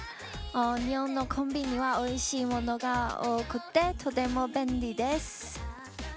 日本のコンビニはおいしいものが多くてとても便利です。